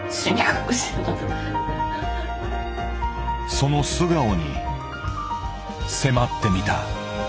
その素顔に迫ってみた。